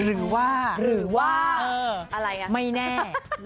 หรือว่าหรือว่าอะไรอ่ะไม่แน่